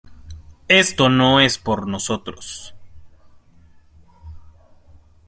esto no es por nosotros